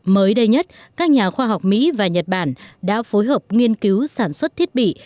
mới đây nhất các nhà khoa học mỹ và nhật bản đã phối hợp nghiên cứu sản xuất thiết bị